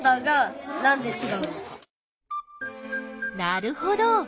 なるほど！